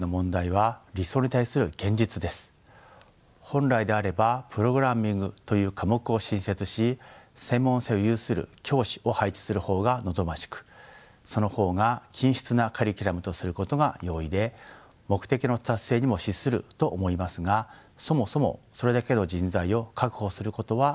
本来であればプログラミングという科目を新設し専門性を有する教師を配置する方が望ましくその方が均質なカリキュラムとすることが容易で目的の達成にも資すると思いますがそもそもそれだけの人材を確保することは不可能です。